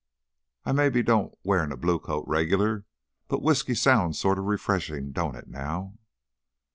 I maybe don't weah no blue coat regular, but whiskey sounds sorta refreshin', don't it, now?"